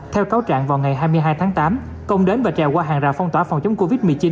theo cáo trạng vào ngày hai mươi hai tháng tám công đến và trèo qua hàng rào phong tỏa phòng chống covid một mươi chín